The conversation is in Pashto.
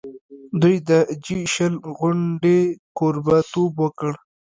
دوی د جي شل غونډې کوربه توب وکړ.